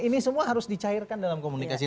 ini semua harus dicairkan dalam komunikasi